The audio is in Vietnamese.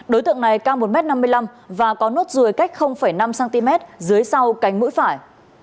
đối tượng này cao một m năm mươi năm và có nốt ruồi cách năm cm dưới sau cánh mũi phải